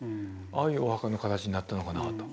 ああいうお墓の形になったのかなと。